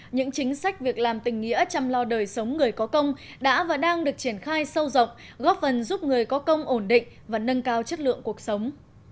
những chính sách việc làm tình nghĩa chăm lo đời sống người có công đã và đang được triển khai sâu rộng góp phần giúp người có công ổn định và nâng cao chất lượng cuộc sống